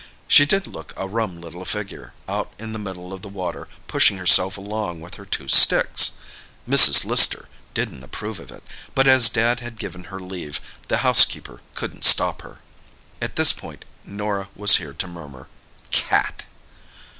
She did look a rum little figure, out in the middle of the water, pushing herself along with her two sticks! Mrs. Lister didn't approve of it, but as Dad had given her leave, the housekeeper couldn't stop her." At this point Norah was heard to murmur "Cat!"